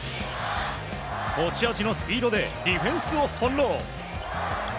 持ち味のスピードでディフェンスを翻弄。